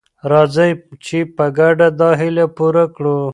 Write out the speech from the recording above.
راځئ چې په ګډه دا هیله پوره کړو.